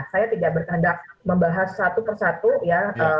saya tidak bertandak membahas satu persatu ya